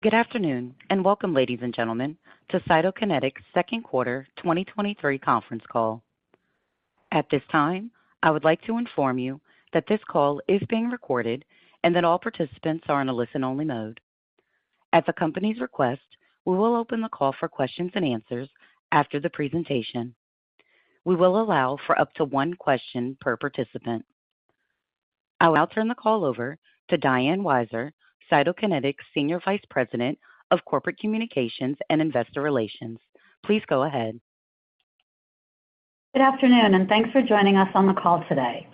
Good afternoon, and welcome, ladies and gentlemen, to Cytokinetics' 2nd Quarter 2023 Conference Call. At this time, I would like to inform you that this call is being recorded and that all participants are in a listen-only mode. At the company's request, we will open the call for questions and answers after the presentation. We will allow for up to one question per participant. I will now turn the call over to Diane Weiser, Cytokinetics Senior Vice President of Corporate Communications and Investor Relations. Please go ahead. Good afternoon, and thanks for joining us on the call today.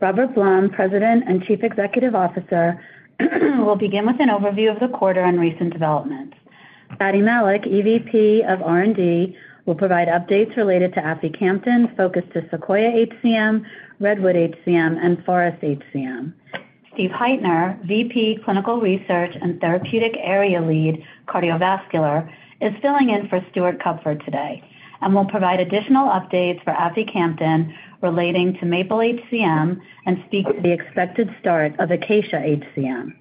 Robert Blum, President and Chief Executive Officer, will begin with an overview of the quarter and recent developments. Fady Malik, EVP of R&D, will provide updates related to aficamten, focused to SEQUOIA-HCM, REDWOOD-HCM, and FOREST-HCM. Stephen Heitner, VP, Clinical Research and Therapeutic Area Lead, Cardiovascular, is filling in for Stuart Kupfer today and will provide additional updates for aficamten relating to MAPLE-HCM and speak to the expected start of ACACIA-HCM.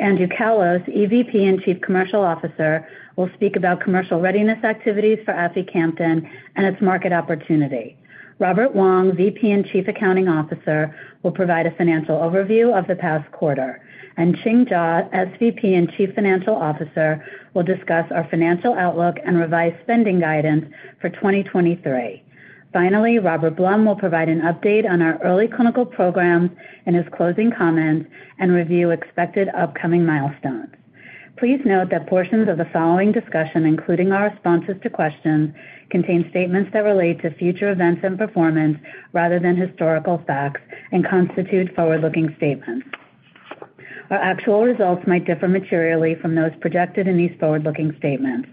Andrew Callos, EVP and Chief Commercial Officer, will speak about commercial readiness activities for aficamten and its market opportunity. Robert Wong, VP and Chief Accounting Officer, will provide a financial overview of the past quarter, and Ching Ju, SVP and Chief Financial Officer, will discuss our financial outlook and revised spending guidance for 2023. Finally, Robert Blum will provide an update on our early clinical program in his closing comments and review expected upcoming milestones. Please note that portions of the following discussion, including our responses to questions, contain statements that relate to future events and performance rather than historical facts and constitute forward-looking statements. Our actual results might differ materially from those projected in these forward-looking statements.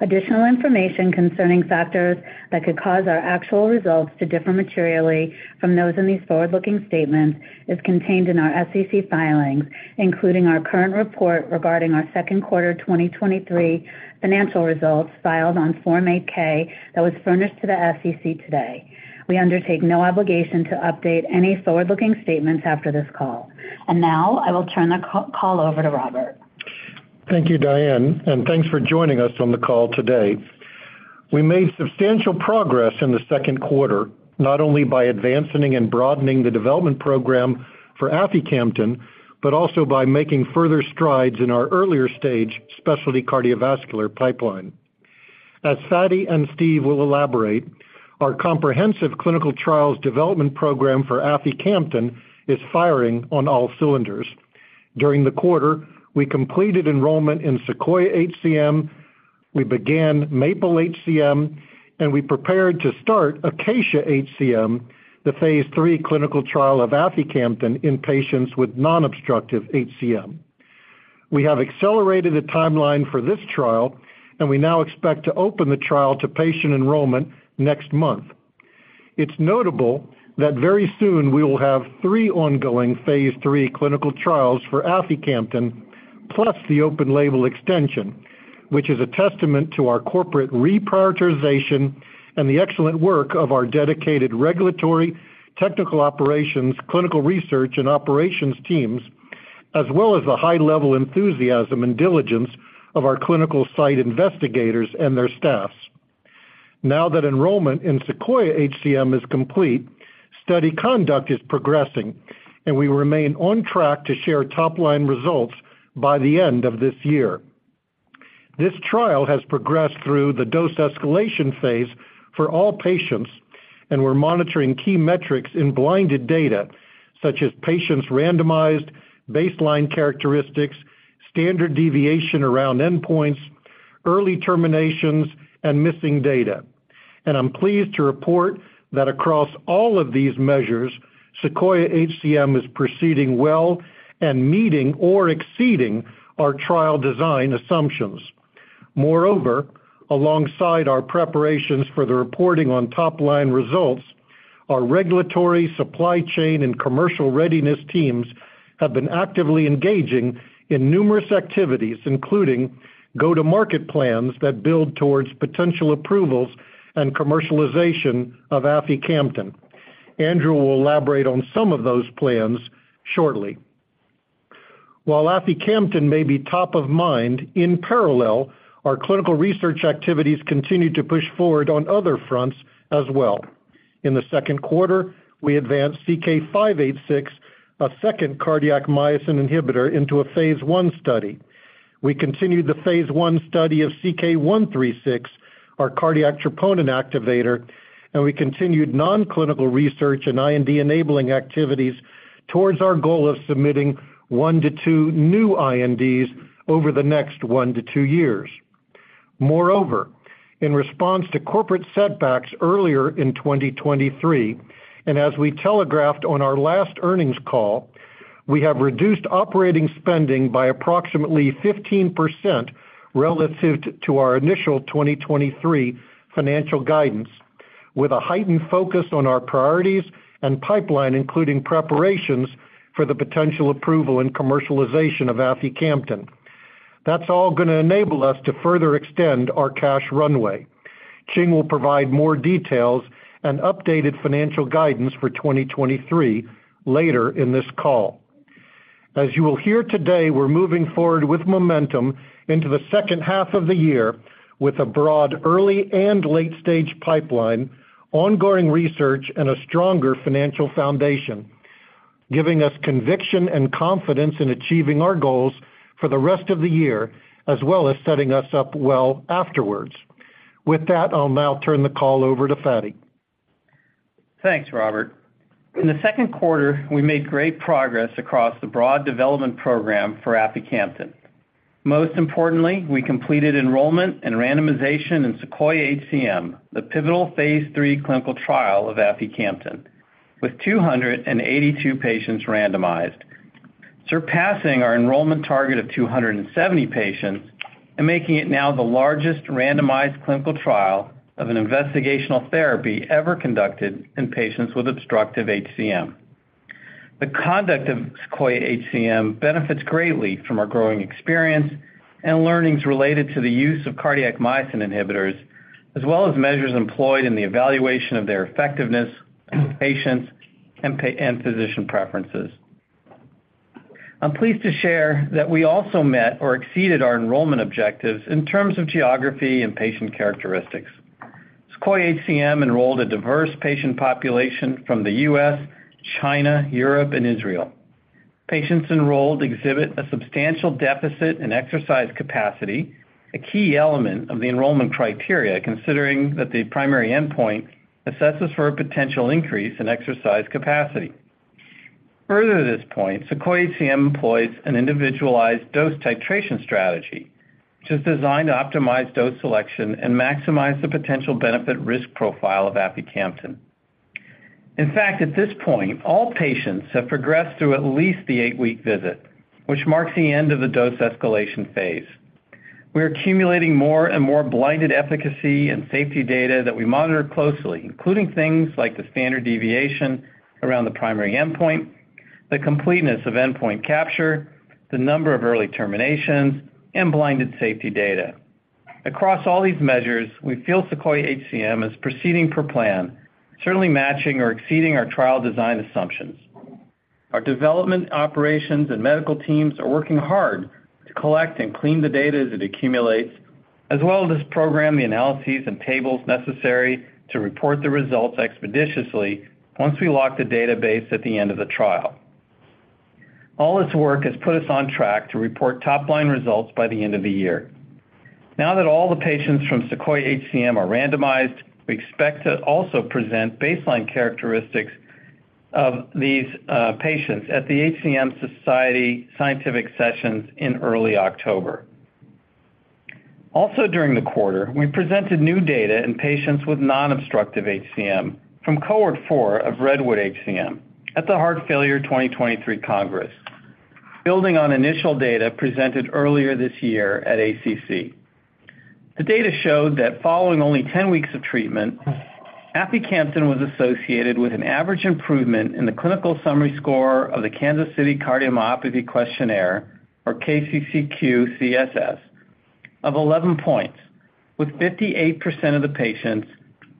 Additional information concerning factors that could cause our actual results to differ materially from those in these forward-looking statements is contained in our SEC filings, including our current report regarding our second quarter 2023 financial results, filed on Form 8-K, that was furnished to the SEC today. We undertake no obligation to update any forward-looking statements after this call. Now I will turn the call over to Robert. Thank you, Diane, and thanks for joining us on the call today. We made substantial progress in the second quarter, not only by advancing and broadening the development program for aficamten, but also by making further strides in our earlier stage specialty cardiovascular pipeline. As Fady and Steve will elaborate, our comprehensive clinical trials development program for aficamten is firing on all cylinders. During the quarter, we completed enrollment in SEQUOIA-HCM, we began MAPLE-HCM, and we prepared to start ACACIA-HCM, the phase III clinical trial of aficamten in patients with non-obstructive HCM. We have accelerated the timeline for this trial, and we now expect to open the trial to patient enrollment next month. It's notable that very soon we will have three ongoing phase III clinical trials for aficamten, plus the open label extension, which is a testament to our corporate reprioritization and the excellent work of our dedicated regulatory, technical operations, clinical research, and operations teams, as well as the high-level enthusiasm and diligence of our clinical site investigators and their staffs. Now that enrollment in SEQUOIA-HCM is complete, study conduct is progressing, and we remain on track to share top-line results by the end of this year. This trial has progressed through the dose escalation phase for all patients, and we're monitoring key metrics in blinded data, such as patients randomized, baseline characteristics, standard deviation around endpoints, early terminations, and missing data. I'm pleased to report that across all of these measures, SEQUOIA-HCM is proceeding well and meeting or exceeding our trial design assumptions. Moreover, alongside our preparations for the reporting on top-line results, our regulatory supply chain and commercial readiness teams have been actively engaging in numerous activities, including go-to-market plans that build towards potential approvals and commercialization of aficamten. Andrew will elaborate on some of those plans shortly. While aficamten may be top of mind, in parallel, our clinical research activities continue to push forward on other fronts as well. In the second quarter, we advanced CK-586, a second cardiac myosin inhibitor, into a Phase I study. We continued the Phase I study of CK-136, our cardiac troponin activator, and we continued non-clinical research and IND-enabling activities towards our goal of submitting 1 to 2 new INDs over the next 1 to 2 years. Moreover, in response to corporate setbacks earlier in 2023, and as we telegraphed on our last earnings call, we have reduced operating spending by approximately 15% relative to our initial 2023 financial guidance, with a heightened focus on our priorities and pipeline, including preparations for the potential approval and commercialization of aficamten. That's all going to enable us to further extend our cash runway. Ching will provide more details and updated financial guidance for 2023 later in this call. As you will hear today, we're moving forward with momentum into the second half of the year with a broad, early, and late-stage pipeline, ongoing research, and a stronger financial foundation, giving us conviction and confidence in achieving our goals for the rest of the year, as well as setting us up well afterwards. With that, I'll now turn the call over to Fady. Thanks, Robert. In the second quarter, we made great progress across the broad development program for aficamten. Most importantly, we completed enrollment and randomization in SEQUOIA-HCM, the pivotal phase III clinical trial of aficamten, with 282 patients randomized, surpassing our enrollment target of 270 patients and making it now the largest randomized clinical trial of an investigational therapy ever conducted in patients with obstructive HCM. The conduct of SEQUOIA-HCM benefits greatly from our growing experience and learnings related to the use of cardiac myosin inhibitors, as well as measures employed in the evaluation of their effectiveness, patients, and physician preferences. I'm pleased to share that we also met or exceeded our enrollment objectives in terms of geography and patient characteristics. SEQUOIA-HCM enrolled a diverse patient population from the U.S., China, Europe, and Israel. Patients enrolled exhibit a substantial deficit in exercise capacity, a key element of the enrollment criteria, considering that the primary endpoint assesses for a potential increase in exercise capacity. Further to this point, SEQUOIA-HCM employs an individualized dose titration strategy, which is designed to optimize dose selection and maximize the potential benefit risk profile of aficamten. In fact, at this point, all patients have progressed through at least the eight-week visit, which marks the end of the dose escalation phase. We're accumulating more and more blinded efficacy and safety data that we monitor closely, including things like the standard deviation around the primary endpoint, the completeness of endpoint capture, the number of early terminations, and blinded safety data. Across all these measures, we feel SEQUOIA-HCM is proceeding per plan, certainly matching or exceeding our trial design assumptions. Our development, operations, and medical teams are working hard to collect and clean the data as it accumulates, as well as program the analyses and tables necessary to report the results expeditiously once we lock the database at the end of the trial. All this work has put us on track to report top-line results by the end of the year. Now that all the patients from SEQUOIA-HCM are randomized, we expect to also present baseline characteristics of these patients at the HCM Society Scientific Sessions in early October. Also, during the quarter, we presented new data in patients with non-obstructive HCM from Cohort 4 of REDWOOD-HCM at the Heart Failure 2023 Congress, building on initial data presented earlier this year at ACC. The data showed that following only 10 weeks of treatment, aficamten was associated with an average improvement in the clinical summary score of the Kansas City Cardiomyopathy Questionnaire, or KCCQ SS, of 11 points, with 58% of the patients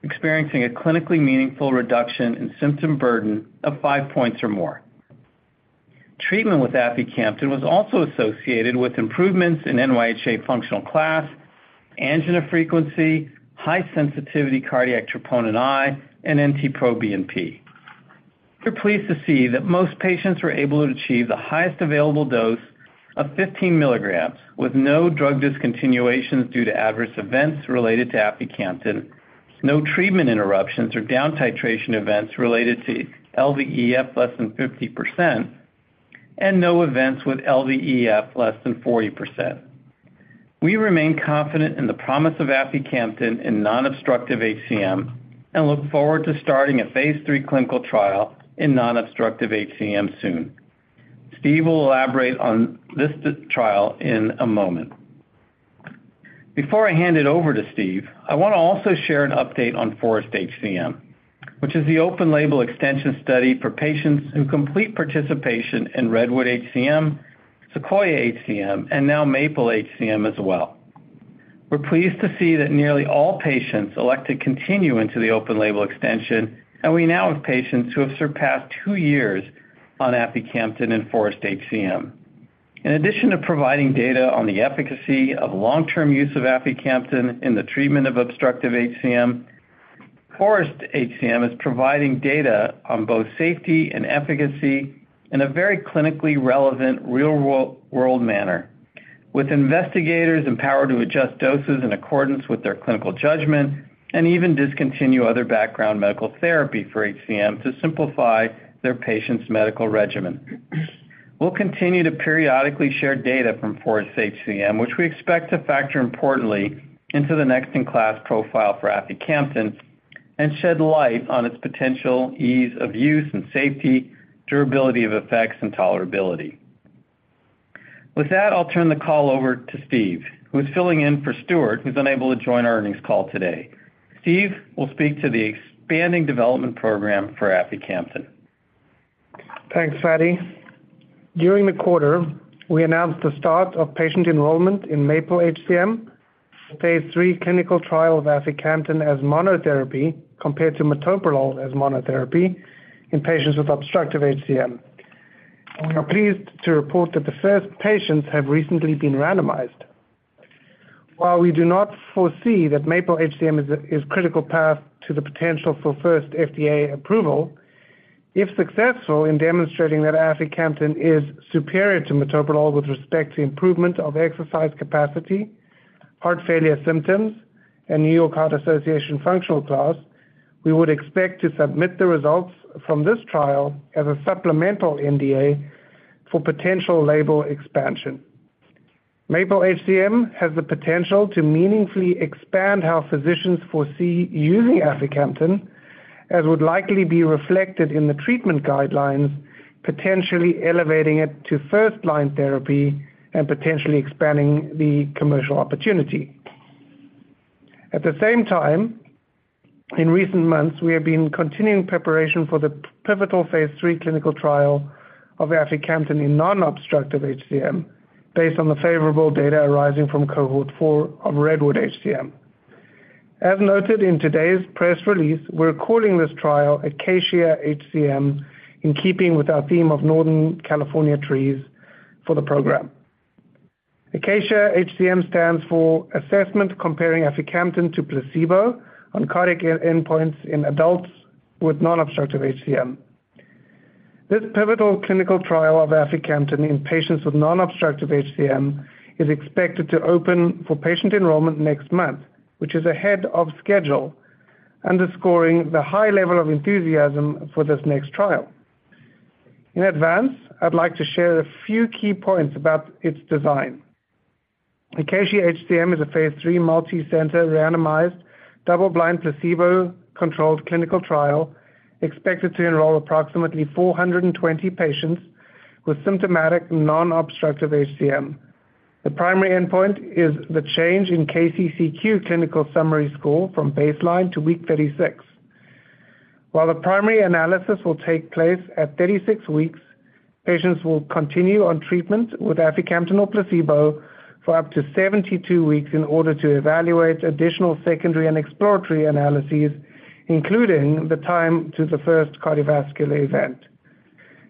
experiencing a clinically meaningful reduction in symptom burden of 5 points or more. Treatment with aficamten was also associated with improvements in NYHA functional class, angina frequency, high-sensitivity cardiac troponin I, and NT-proBNP. We're pleased to see that most patients were able to achieve the highest available dose of 15 milligrams, with no drug discontinuations due to adverse events related to aficamten, no treatment interruptions or down titration events related to LVEF less than 50%, and no events with LVEF less than 40%. We remain confident in the promise of aficamten in non-obstructive HCM and look forward to starting a phase III clinical trial in non-obstructive HCM soon. Steve will elaborate on this trial in a moment. Before I hand it over to Steve, I want to also share an update on FOREST-HCM, which is the open label extension study for patients who complete participation in REDWOOD-HCM, SEQUOIA-HCM, and now MAPLE-HCM as well. We're pleased to see that nearly all patients elect to continue into the open label extension, and we now have patients who have surpassed two years on aficamten in FOREST-HCM. In addition to providing data on the efficacy of long-term use of aficamten in the treatment of obstructive HCM, FOREST-HCM is providing data on both safety and efficacy in a very clinically relevant, real world manner, with investigators empowered to adjust doses in accordance with their clinical judgment and even discontinue other background medical therapy for HCM to simplify their patients' medical regimen. We'll continue to periodically share data from FOREST-HCM, which we expect to factor importantly into the next in-class profile for aficamten and shed light on its potential ease of use and safety, durability of effects, and tolerability. With that, I'll turn the call over to Steve, who is filling in for Stuart, who's unable to join our earnings call today. Steve will speak to the expanding development program for aficamten.... Thanks, Fady Malik. During the quarter, we announced the start of patient enrollment in MAPLE-HCM, phase III clinical trial of aficamten as monotherapy compared to metoprolol as monotherapy in patients with obstructive HCM. We are pleased to report that the first patients have recently been randomized. While we do not foresee that MAPLE-HCM is critical path to the potential for first FDA approval, if successful in demonstrating that aficamten is superior to metoprolol with respect to improvement of exercise capacity, heart failure symptoms, and New York Heart Association Functional Class, we would expect to submit the results from this trial as a supplemental NDA for potential label expansion. MAPLE-HCM has the potential to meaningfully expand how physicians foresee using aficamten, as would likely be reflected in the treatment guidelines, potentially elevating it to first-line therapy and potentially expanding the commercial opportunity. At the same time, in recent months, we have been continuing preparation for the pivotal phase III clinical trial of aficamten in non-obstructive HCM, based on the favorable data arising from Cohort 4 of REDWOOD-HCM. As noted in today's press release, we're calling this trial ACACIA-HCM, in keeping with our theme of Northern California trees for the program. ACACIA-HCM stands for Assessment Comparing Aficamten to Placebo on Cardiac Endpoints in Adults with Non-Obstructive HCM. This pivotal clinical trial of aficamten in patients with non-obstructive HCM is expected to open for patient enrollment next month, which is ahead of schedule, underscoring the high level of enthusiasm for this next trial. In advance, I'd like to share a few key points about its design. ACACIA-HCM is a phase III, multicenter, randomized, double-blind, placebo-controlled clinical trial, expected to enroll approximately 420 patients with symptomatic non-obstructive HCM. The primary endpoint is the change in KCCQ Clinical Summary Score from baseline to week 36. While the primary analysis will take place at 36 weeks, patients will continue on treatment with aficamten or placebo for up to 72 weeks in order to evaluate additional secondary and exploratory analyses, including the time to the first cardiovascular event.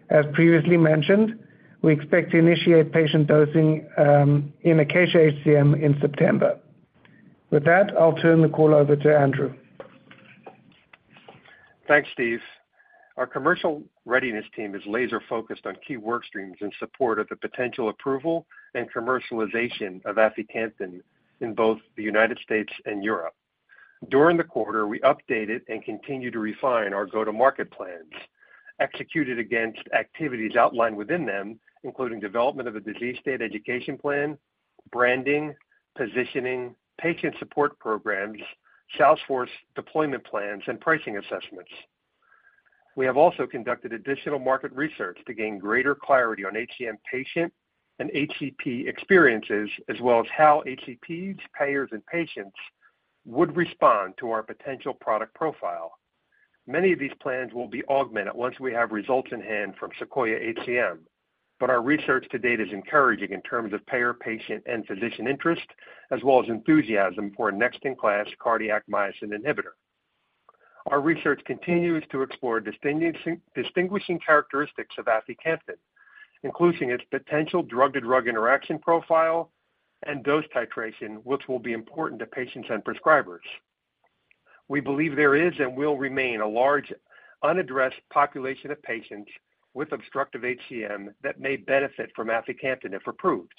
As previously mentioned, we expect to initiate patient dosing in ACACIA-HCM in September. With that, I'll turn the call over to Andrew. Thanks, Steve. Our commercial readiness team is laser focused on key work streams in support of the potential approval and commercialization of aficamten in both the United States and Europe. During the quarter, we updated and continued to refine our go-to-market plans, executed against activities outlined within them, including development of a disease state education plan, branding, positioning, patient support programs, sales force deployment plans, and pricing assessments. We have also conducted additional market research to gain greater clarity on HCM patient and HCP experiences, as well as how HCPs, payers, and patients would respond to our potential product profile. Many of these plans will be augmented once we have results in hand from SEQUOIA-HCM, but our research to date is encouraging in terms of payer, patient, and physician interest, as well as enthusiasm for a next-in-class cardiac myosin inhibitor. Our research continues to explore distinguishing characteristics of aficamten, including its potential drug-to-drug interaction profile and dose titration, which will be important to patients and prescribers. We believe there is and will remain a large unaddressed population of patients with obstructive HCM that may benefit from aficamten, if approved.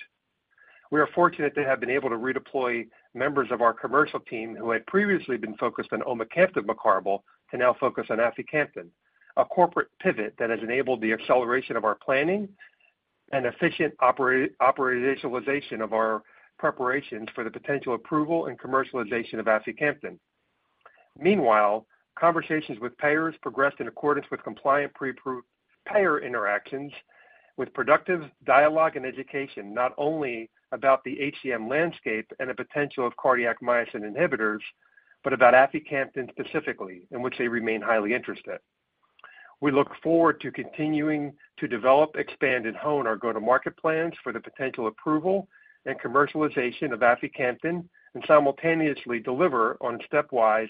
We are fortunate to have been able to redeploy members of our commercial team who had previously been focused on omecamtiv mecarbil, to now focus on aficamten, a corporate pivot that has enabled the acceleration of our planning and efficient operationalization of our preparations for the potential approval and commercialization of aficamten. Meanwhile, conversations with payers progressed in accordance with compliant preapproved payer interactions, with productive dialogue and education, not only about the HCM landscape and the potential of cardiac myosin inhibitors, but about aficamten specifically, in which they remain highly interested. We look forward to continuing to develop, expand, and hone our go-to-market plans for the potential approval and commercialization of aficamten, simultaneously deliver on stepwise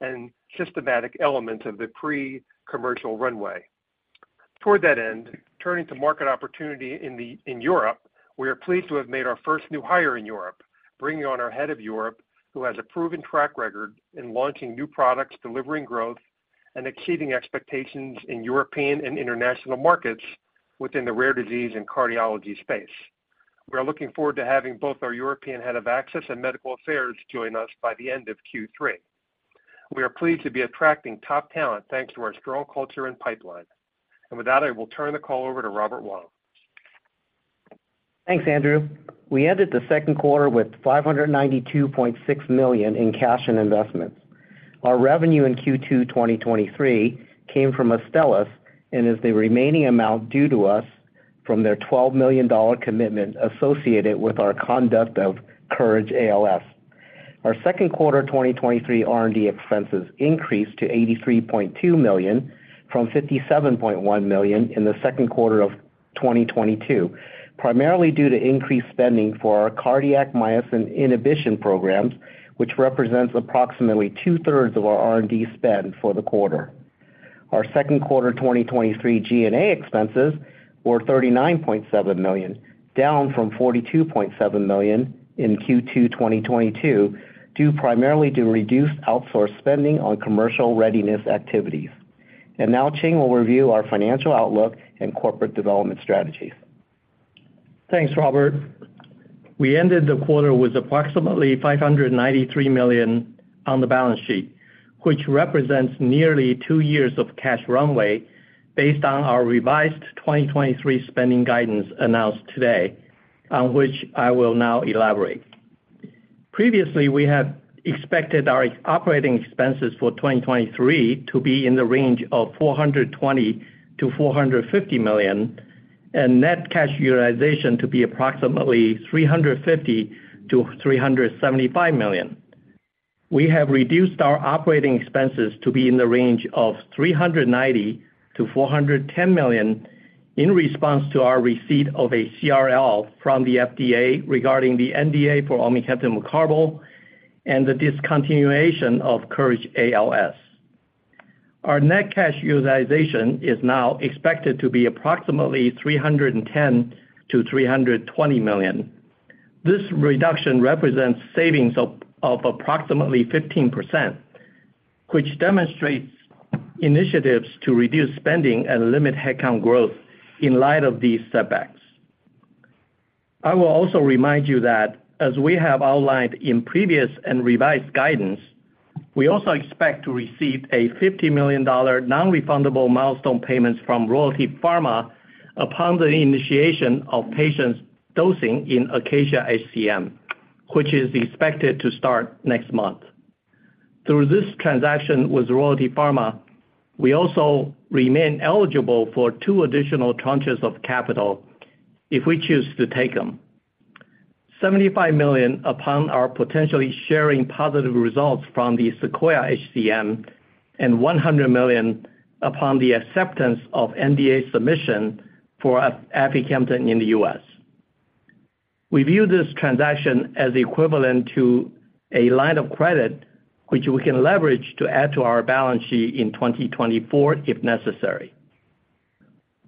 and systematic elements of the pre-commercial runway. Toward that end, turning to market opportunity in Europe, we are pleased to have made our first new hire in Europe, bringing on our head of Europe, who has a proven track record in launching new products, delivering growth, and exceeding expectations in European and international markets within the rare disease and cardiology space. We are looking forward to having both our European Head of Access and Medical Affairs join us by the end of Q3. We are pleased to be attracting top talent, thanks to our strong culture and pipeline. With that, I will turn the call over to Robert Wong. Thanks, Andrew. We ended the second quarter with $592.6 million in cash and investments. Our revenue in Q2 2023 came from Astellas and is the remaining amount due to us from their $12 million commitment associated with our conduct of COURAGE-ALS.... Our second quarter 2023 R&D expenses increased to $83.2 million from $57.1 million in the second quarter of 2022, primarily due to increased spending for our cardiac myosin inhibition programs, which represents approximately 2/3 of our R&D spend for the quarter. Our second quarter 2023 G&A expenses were $39.7 million, down from $42.7 million in Q2 2022, due primarily to reduced outsourced spending on commercial readiness activities. Now Ching will review our financial outlook and corporate development strategies. Thanks, Robert. We ended the quarter with approximately $593 million on the balance sheet, which represents nearly two years of cash runway based on our revised 2023 spending guidance announced today, on which I will now elaborate. Previously, we had expected our operating expenses for 2023 to be in the range of $420 million-$450 million, and net cash utilization to be approximately $350 million-$375 million. We have reduced our operating expenses to be in the range of $390 million-$410 million in response to our receipt of a CRL from the FDA regarding the NDA for omecamtiv mecarbil and the discontinuation of COURAGE-ALS. Our net cash utilization is now expected to be approximately $310 million-$320 million. This reduction represents savings of approximately 15%, which demonstrates initiatives to reduce spending and limit headcount growth in light of these setbacks. I will also remind you that as we have outlined in previous and revised guidance, we also expect to receive a $50 million nonrefundable milestone payments from Royalty Pharma upon the initiation of patients dosing in ACACIA-HCM, which is expected to start next month. Through this transaction with Royalty Pharma, we also remain eligible for two additional tranches of capital if we choose to take them. $75 million upon our potentially sharing positive results from the SEQUOIA-HCM, and $100 million upon the acceptance of NDA submission for aficamten in the U.S. We view this transaction as equivalent to a line of credit, which we can leverage to add to our balance sheet in 2024, if necessary.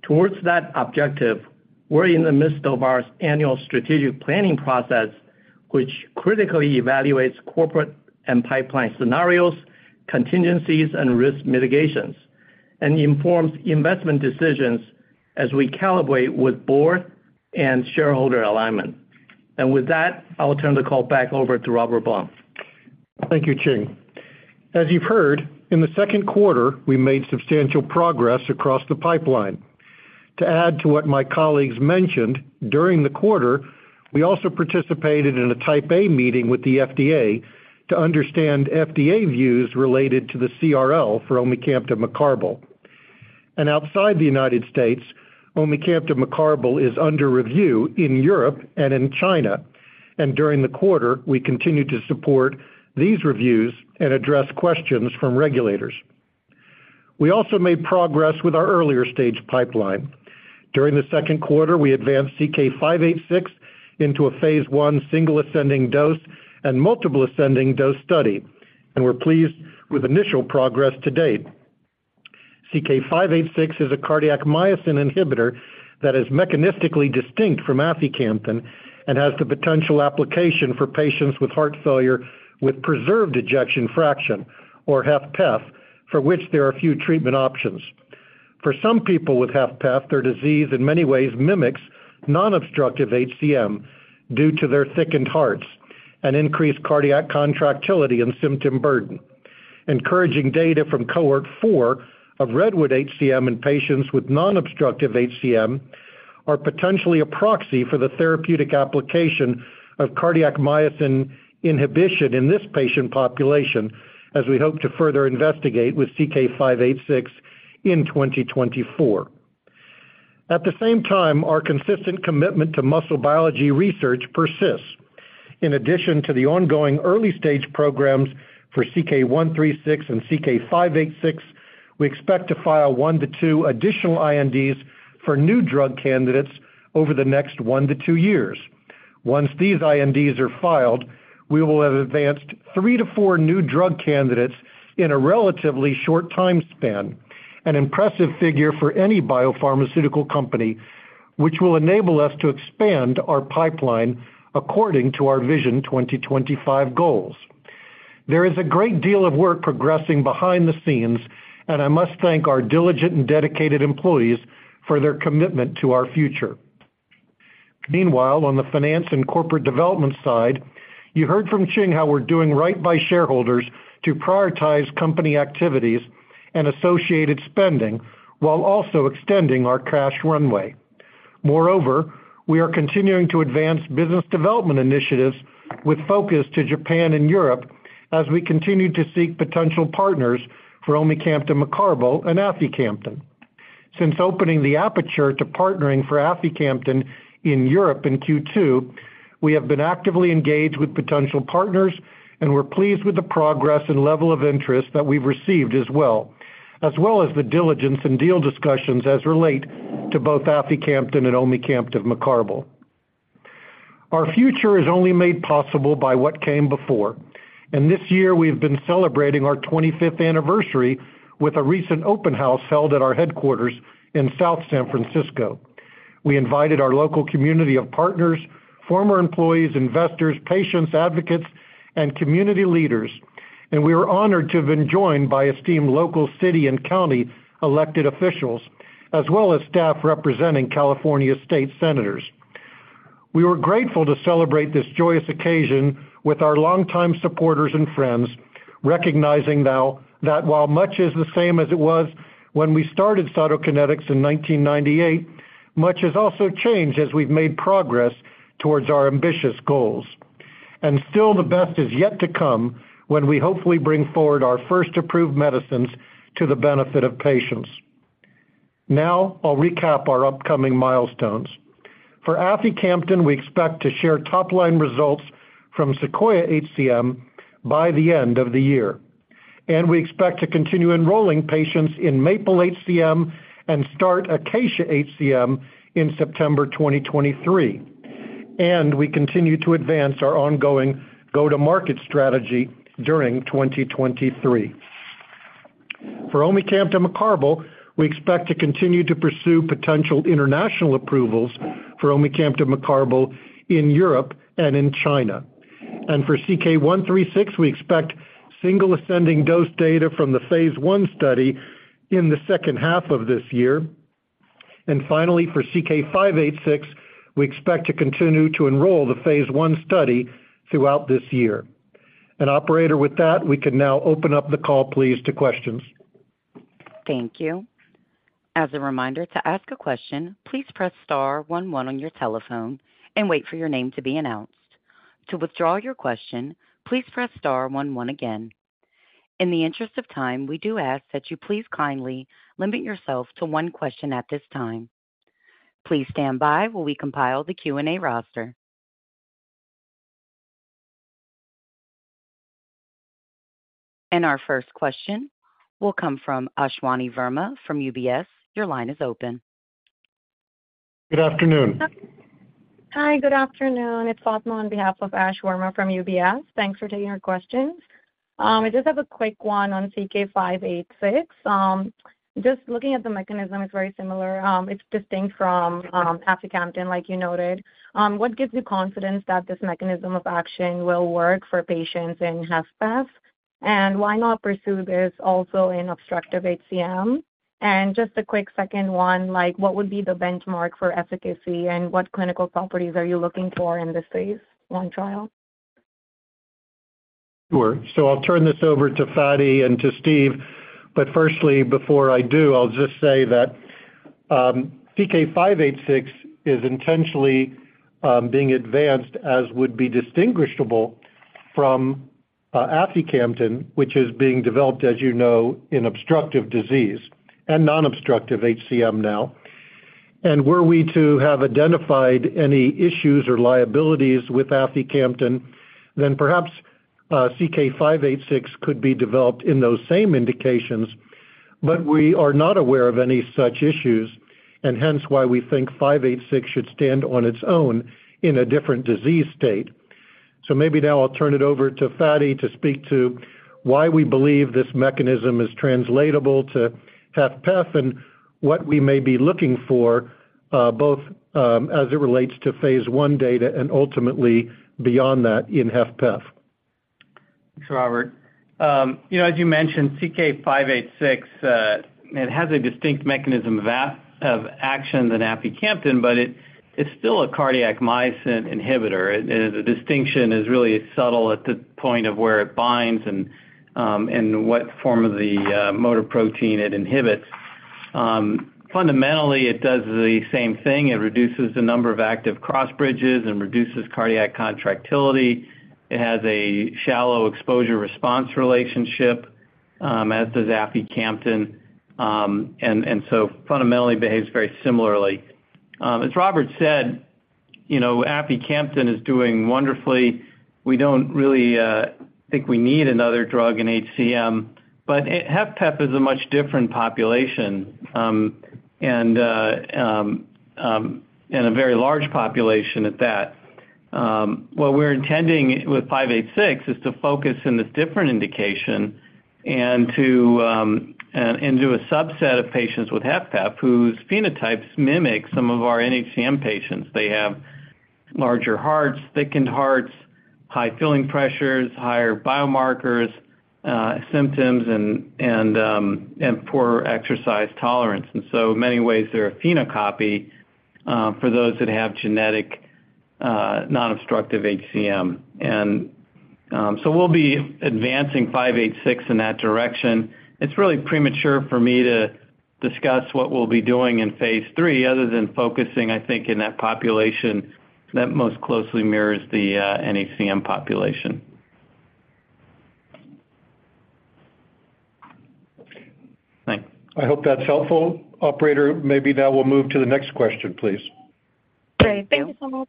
Towards that objective, we're in the midst of our annual strategic planning process, which critically evaluates corporate and pipeline scenarios, contingencies, and risk mitigations, and informs investment decisions as we calibrate with board and shareholder alignment. With that, I'll turn the call back over to Robert Blum. Thank you, Ching. As you've heard, in the second quarter, we made substantial progress across the pipeline. To add to what my colleagues mentioned, during the quarter, we also participated in a Type A meeting with the FDA to understand FDA views related to the CRL for omecamtiv mecarbil. Outside the U.S., omecamtiv mecarbil is under review in Europe and in China, during the quarter, we continued to support these reviews and address questions from regulators. We also made progress with our earlier stage pipeline. During the second quarter, we advanced CK-586 into a Phase I single ascending dose and multiple ascending dose study, we're pleased with initial progress to date. CK-586 is a cardiac myosin inhibitor that is mechanistically distinct from aficamten and has the potential application for patients with heart failure, with preserved ejection fraction or HFpEF, for which there are few treatment options. For some people with HFpEF, their disease in many ways mimics non-obstructive HCM due to their thickened hearts and increased cardiac contractility and symptom burden. Encouraging data from Cohort 4 of REDWOOD-HCM in patients with non-obstructive HCM are potentially a proxy for the therapeutic application of cardiac myosin inhibition in this patient population, as we hope to further investigate with CK-586 in 2024. At the same time, our consistent commitment to muscle biology research persists. In addition to the ongoing early stage programs for CK-136 and CK-586, we expect to file one to two additional INDs for new drug candidates over the next one to two years. Once these INDs are filed, we will have advanced three to four new drug candidates in a relatively short time span, an impressive figure for any biopharmaceutical company, which will enable us to expand our pipeline according to our Vision 2025 goals. I must thank our diligent and dedicated employees for their commitment to our future. Meanwhile, on the finance and corporate development side, you heard from Ching how we're doing right by shareholders to prioritize company activities and associated spending while also extending our cash runway. Moreover, we are continuing to advance business development initiatives with focus to Japan and Europe as we continue to seek potential partners for omecamtiv mecarbil and aficamten. Since opening the aperture to partnering for aficamten in Europe in Q2, we have been actively engaged with potential partners, and we're pleased with the progress and level of interest that we've received as well, as well as the diligence and deal discussions as relate to both aficamten and omecamtiv mecarbil. Our future is only made possible by what came before, and this year, we've been celebrating our 25th anniversary with a recent open house held at our headquarters in South San Francisco. We invited our local community of partners, former employees, investors, patients, advocates, and community leaders, and we were honored to have been joined by esteemed local city and county elected officials, as well as staff representing California state senators. We were grateful to celebrate this joyous occasion with our longtime supporters and friends, recognizing that while much is the same as it was when we started Cytokinetics in 1998, much has also changed as we've made progress towards our ambitious goals. Still, the best is yet to come when we hopefully bring forward our first approved medicines to the benefit of patients. Now, I'll recap our upcoming milestones. For aficamten, we expect to share top-line results from SEQUOIA-HCM by the end of the year, and we expect to continue enrolling patients in MAPLE-HCM and start ACACIA-HCM in September 2023, and we continue to advance our ongoing go-to-market strategy during 2023. For omecamtiv mecarbil, we expect to continue to pursue potential international approvals for omecamtiv mecarbil in Europe and in China. For CK-136, we expect single ascending dose data from the phase I study in the second half of this year. Finally, for CK-586, we expect to continue to enroll the phase I study throughout this year. Operator, with that, we can now open up the call, please, to questions. Thank you. As a reminder, to ask a question, please press star one, one on your telephone and wait for your name to be announced. To withdraw your question, please press star one, one again. In the interest of time, we do ask that you please kindly limit yourself to one question at this time. Please stand by while we compile the Q&A roster. Our first question will come from Ashwani Verma from UBS. Your line is open. Good afternoon. Hi, good afternoon. It's Fatma on behalf of Ash Verma from UBS. Thanks for taking our questions. I just have a quick one on CK-586. Just looking at the mechanism, it's very similar. It's distinct from aficamten, like you noted. What gives you confidence that this mechanism of action will work for patients in HFpEF? Why not pursue this also in obstructive HCM? Just a quick second one, like, what would be the benchmark for efficacy, and what clinical properties are you looking for in this phase I trial? Sure. I'll turn this over to Fady and to Steve. Firstly, before I do, I'll just say that CK-586 is intentionally being advanced as would be distinguishable from aficamten, which is being developed, as you know, in obstructive disease and non-obstructive HCM now. Were we to have identified any issues or liabilities with aficamten, then perhaps CK-586 could be developed in those same indications, but we are not aware of any such issues, and hence why we think five eight six should stand on its own in a different disease state. Maybe now I'll turn it over to Fady to speak to why we believe this mechanism is translatable to HFpEF and what we may be looking for, both as it relates to phase I data and ultimately beyond that in HFpEF. Thanks, Robert. You know, as you mentioned, CK-586, it has a distinct mechanism of action than aficamten, but it's still a cardiac myosin inhibitor. The distinction is really subtle at the point of where it binds and what form of the motor protein it inhibits. Fundamentally, it does the same thing. It reduces the number of active cross-bridges and reduces cardiac contractility. It has a shallow exposure-response relationship, as does aficamten, and so fundamentally behaves very similarly. As Robert said, you know, aficamten is doing wonderfully. We don't really think we need another drug in HCM, but HFpEF is a much different population, and a very large population at that. What we're intending with 586 is to focus in this different indication and to do a subset of patients with HFpEF whose phenotypes mimic some of our NHCM patients. They have larger hearts, thickened hearts, high filling pressures, higher biomarkers, symptoms, and poorer exercise tolerance. In many ways, they're a phenocopy for those that have genetic non-obstructive HCM. So we'll be advancing 586 in that direction. It's really premature for me to discuss what we'll be doing in phase III other than focusing in that population that most closely mirrors the NHCM population. I hope that's helpful. Operator, maybe now we'll move to the next question, please. Great. Thank you so much.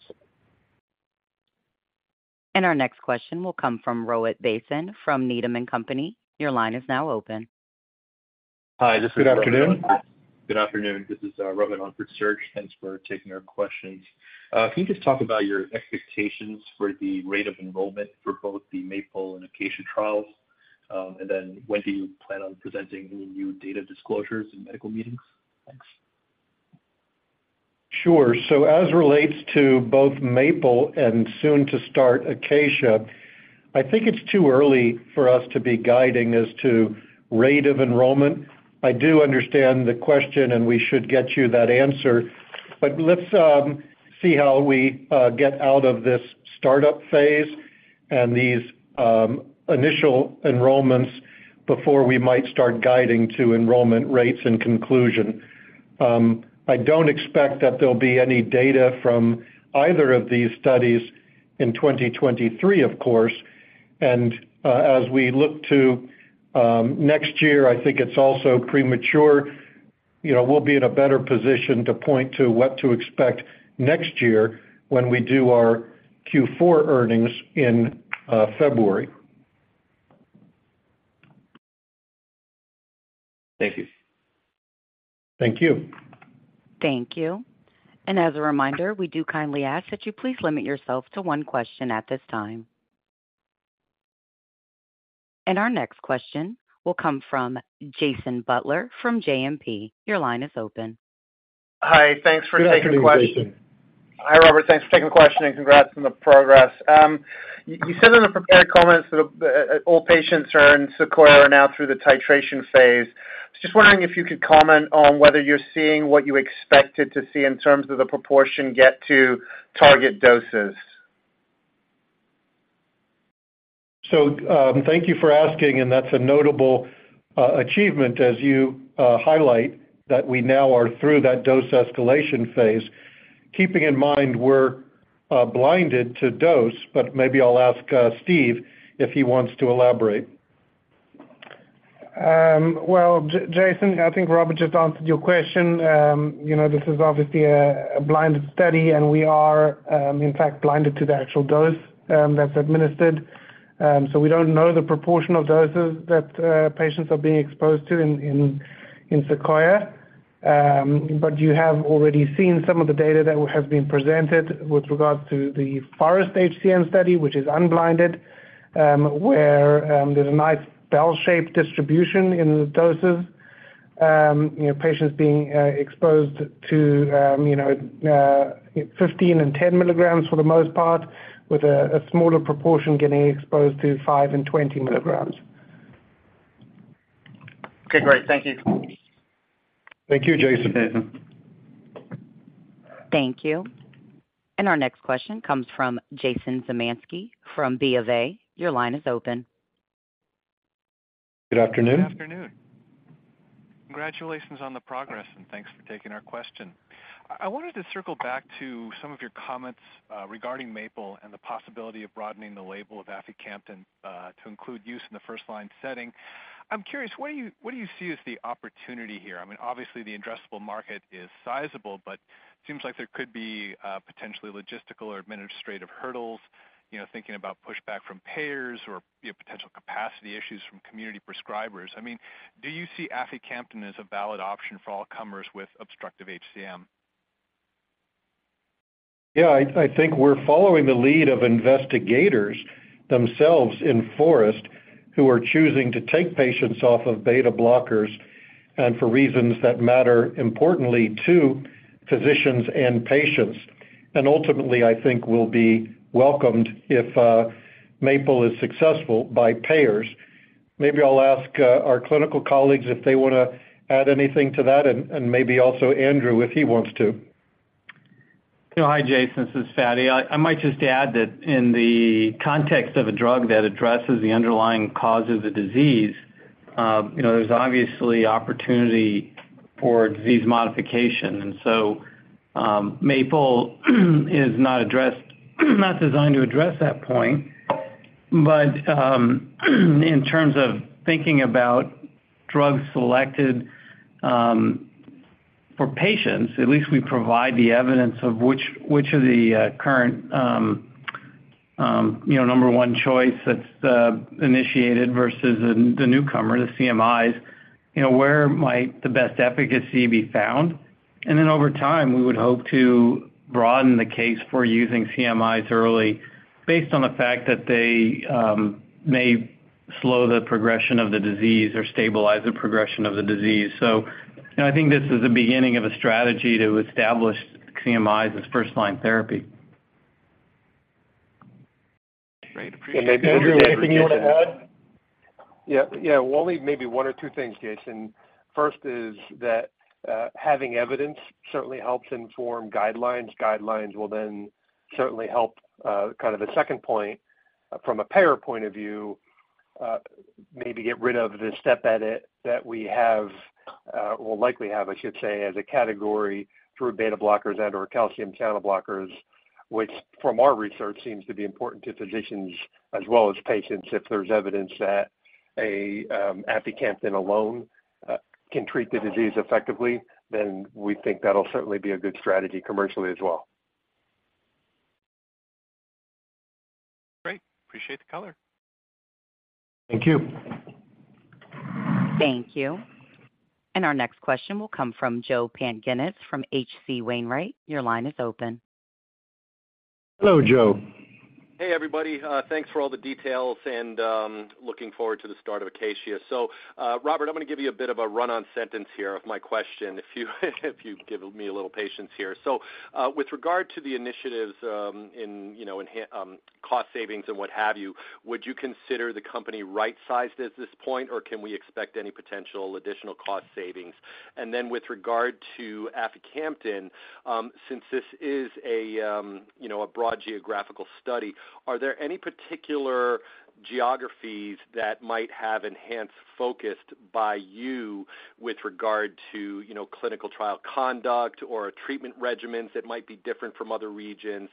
Our next question will come from Rohit Bhasin from Needham & Company. Your line is now open. Hi, this is. Good afternoon. Good afternoon. This is Rohit on for Serge. Thanks for taking our questions. Can you just talk about your expectations for the rate of enrollment for both the MAPLE and ACACIA trials? When do you plan on presenting any new data disclosures in medical meetings? Thanks. Sure. As relates to both MAPLE and soon to start ACACIA, I think it's too early for us to be guiding as to rate of enrollment. I do understand the question, and we should get you that answer. Let's see how we get out of this startup phase and these initial enrollments before we might start guiding to enrollment rates and conclusion. I don't expect that there'll be any data from either of these studies in 2023, of course. As we look to next year, I think it's also premature. You know, we'll be in a better position to point to what to expect next year when we do our Q4 earnings in February. Thank you. Thank you. Thank you. As a reminder, we do kindly ask that you please limit yourself to one question at this time. Our next question will come from Jason Butler from JMP. Your line is open. Hi, thanks for taking the question. Good afternoon, Jason. Hi, Robert. Thanks for taking the question, and congrats on the progress. You, you said in the prepared comments that all patients are in Sequoia are now through the titration phase. Just wondering if you could comment on whether you're seeing what you expected to see in terms of the proportion get to target doses. Thank you for asking, and that's a notable achievement as you highlight that we now are through that dose escalation phase. Keeping in mind, we're blinded to dose, but maybe I'll ask Steve if he wants to elaborate. Well, Jason, I think Robert just answered your question. You know, this is obviously a blind study, and we are, in fact, blinded to the actual dose that's administered. We don't know the proportional doses that patients are being exposed to in SEQUOIA-HCM. You have already seen some of the data that have been presented with regards to the FOREST-HCM study, which is unblinded, where there's a nice bell-shaped distribution in the doses. You know, patients being exposed to 15 and 10 milligrams for the most part, with a smaller proportion getting exposed to 5 and 20 milligrams. Okay, great. Thank you. Thank you, Jason. Thanks, Jason. Thank you. Our next question comes from Jason Zemansky from BofA. Your line is open. Good afternoon. Good afternoon. Congratulations on the progress, and thanks for taking our question. I, I wanted to circle back to some of your comments regarding MAPLE and the possibility of broadening the label of aficamten to include use in the first-line setting. I'm curious, what do you, what do you see as the opportunity here? I mean, obviously the addressable market is sizable, but seems like there could be potentially logistical or administrative hurdles, you know, thinking about pushback from payers or, you know, potential capacity issues from community prescribers. I mean, do you see aficamten as a valid option for all comers with obstructive HCM? Yeah, I, I think we're following the lead of investigators themselves in FOREST, who are choosing to take patients off of beta blockers, and for reasons that matter importantly to physicians and patients. Ultimately, I think we'll be welcomed if MAPLE is successful by payers. Maybe I'll ask our clinical colleagues if they wanna add anything to that, and maybe also Andrew, if he wants to. You know, hi, Jason, this is Fady. I, I might just add that in the context of a drug that addresses the underlying cause of the disease, you know, there's obviously opportunity for disease modification. MAPLE is not designed to address that point. In terms of thinking about drugs selected for patients, at least we provide the evidence of which, which of the current, you know, number one choice that's initiated versus the newcomer, the CMIs. You know, where might the best efficacy be found? Over time, we would hope to broaden the case for using CMIs early based on the fact that they may slow the progression of the disease or stabilize the progression of the disease. you know, I think this is the beginning of a strategy to establish CMIs as first-line therapy. Great. Appreciate it. Maybe, Andrew, anything you wanna add? Yeah, yeah. Maybe one or two things, Jason. First is that, having evidence certainly helps inform guidelines. Guidelines will then certainly help, kind of a second point from a payer point of view, maybe get rid of the step edit that we have, will likely have, I should say, as a category through beta blockers and/or calcium channel blockers.... which from our research, seems to be important to physicians as well as patients. If there's evidence that a aficamten alone, can treat the disease effectively, then we think that'll certainly be a good strategy commercially as well. Great. Appreciate the color. Thank you. Thank you. Our next question will come from Joe Pantginis from H.C. Wainwright. Your line is open. Hello, Joe. Hey, everybody. Thanks for all the details, and looking forward to the start of Acacia. Robert, I'm gonna give you a bit of a run-on sentence here of my question, if you, if you give me a little patience here. With regard to the initiatives, in, you know, in, cost savings and what have you, would you consider the company right-sized at this point, or can we expect any potential additional cost savings? With regard to aficamten, since this is a, you know, a broad geographical study, are there any particular geographies that might have enhanced focus by you with regard to, you know, clinical trial conduct or treatment regimens that might be different from other regions?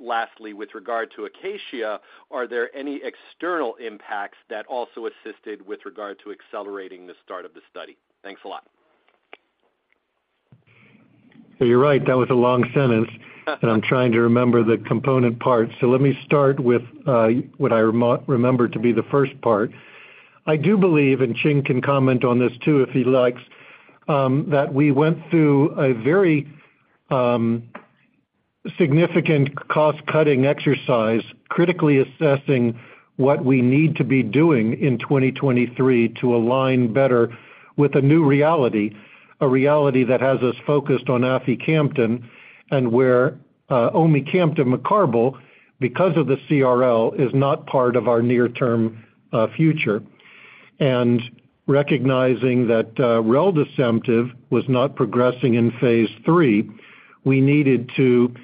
Lastly, with regard to Acacia, are there any external impacts that also assisted with regard to accelerating the start of the study? Thanks a lot. You're right, that was a long sentence, and I'm trying to remember the component parts. Let me start with what I remember to be the first part. I do believe, and Ching Ju can comment on this too, if he likes, that we went through a very significant cost-cutting exercise, critically assessing what we need to be doing in 2023 to align better with a new reality. A reality that has us focused on aficamten, and where omecamtiv mecarbil, because of the CRL, is not part of our near-term future. Recognizing that reldesemtiv was not progressing in phase III, we needed to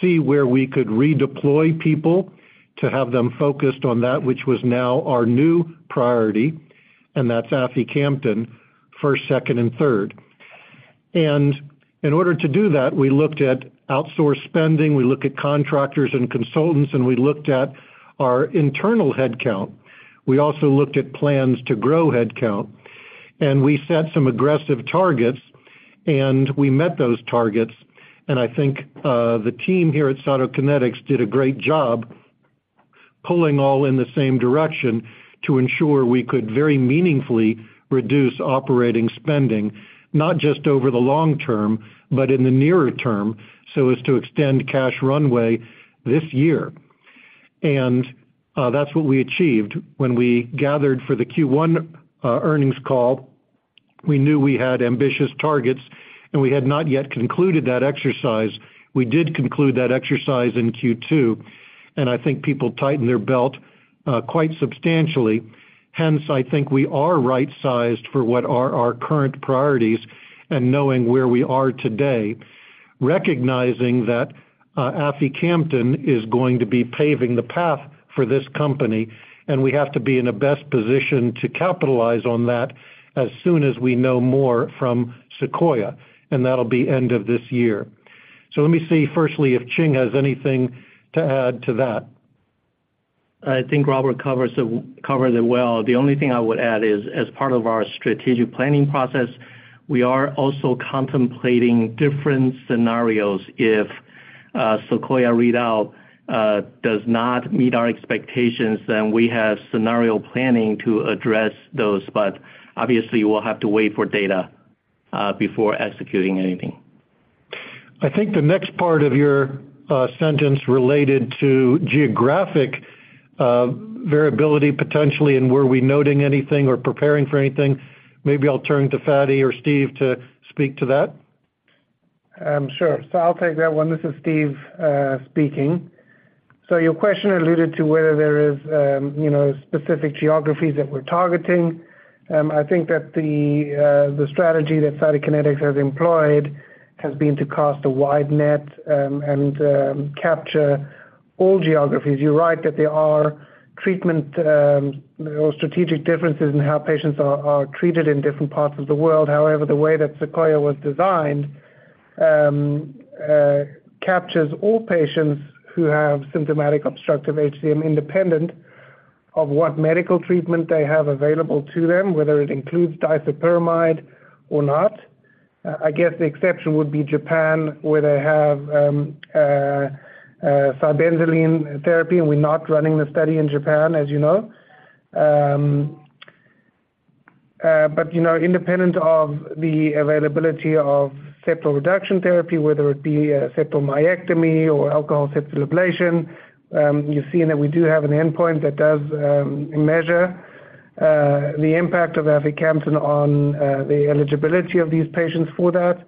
see where we could redeploy people to have them focused on that, which was now our new priority, and that's aficamten, first, second, and third. In order to do that, we looked at outsource spending, we looked at contractors and consultants, and we looked at our internal headcount. We also looked at plans to grow headcount, and we set some aggressive targets, and we met those targets. I think the team here at Cytokinetics did a great job pulling all in the same direction to ensure we could very meaningfully reduce operating spending, not just over the long term, but in the nearer term, so as to extend cash runway this year. That's what we achieved. When we gathered for the Q1 earnings call, we knew we had ambitious targets, and we had not yet concluded that exercise. We did conclude that exercise in Q2, and I think people tightened their belt quite substantially. Hence, I think we are right-sized for what are our current priorities and knowing where we are today, recognizing that, aficamten is going to be paving the path for this company, and we have to be in a best position to capitalize on that as soon as we know more from SEQUOIA, and that'll be end of this year. Let me see, firstly, if Ching has anything to add to that. I think Robert covers it, covered it well. The only thing I would add is, as part of our strategic planning process, we are also contemplating different scenarios. If, SEQUOIA-HCM readout, does not meet our expectations, then we have scenario planning to address those, but obviously, we'll have to wait for data, before executing anything. I think the next part of your sentence related to geographic variability, potentially, and were we noting anything or preparing for anything. Maybe I'll turn to Fady or Steve to speak to that. Sure. I'll take that one. This is Steve speaking. Your question alluded to whether there is, you know, specific geographies that we're targeting. I think that the strategy that Cytokinetics has employed has been to cast a wide net and capture all geographies. You're right that there are treatment or strategic differences in how patients are treated in different parts of the world. However, the way that Sequoia was designed captures all patients who have symptomatic obstructive HCM, independent of what medical treatment they have available to them, whether it includes disopyramide or not. I guess the exception would be Japan, where they have cibenzoline therapy. We're not running the study in Japan, as you know. You know, independent of the availability of septal reduction therapy, whether it be a septal myectomy or alcohol septal ablation, you've seen that we do have an endpoint that does measure the impact of aficamten on the eligibility of these patients for that.